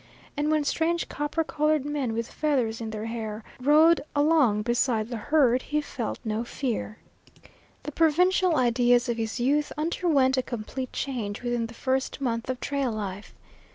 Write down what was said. And when strange copper colored men with feathers in their hair rode along beside the herd he felt no fear. The provincial ideas of his youth underwent a complete change within the first month of trail life.